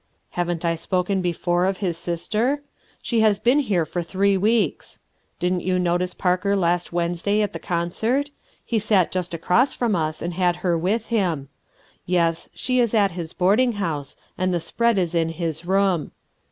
Haven't I spoken before of his sister? She has been here for three weeks. Didn't you notice Parker last Wednesday at the concert? He sat just across from us and had her with him. Yes, she is at his boarding house, and the spread is in his room.